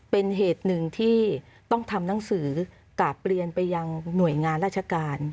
เป็นเหตุหนึ่งที่ต้องทำหนังสือกราบเรียนไปยังหน่วยงานราชการ